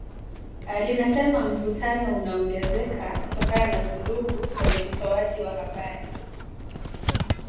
linasema mvutano unaongezeka kutokana na vurugu kwenye utoaji wa habari